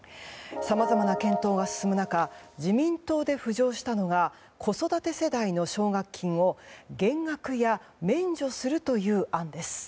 さまざまな検討が進む中自民党で浮上したのが子育て世代の奨学金を減額や免除するという案です。